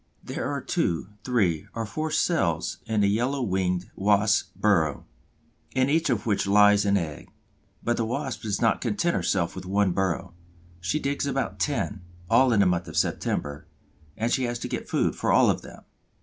There are two, three, or four cells in the Yellow winged Wasp's burrow, in each of which lies an egg. But the Wasp does not content herself with one burrow: she digs about ten, all in the month of September, and she has to get food for all of them.